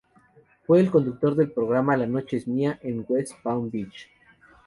Fue el conductor del programa la Noche es mía en West Palm Beach.